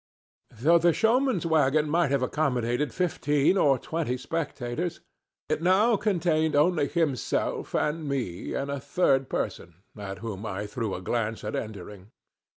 Though the showman's wagon might have accommodated fifteen or twenty spectators, it now contained only himself and me and a third person, at whom I threw a glance on entering.